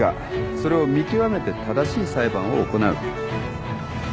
それを見極めて正しい裁判を行う。